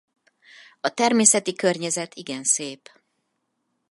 A természeti környezet igen szép.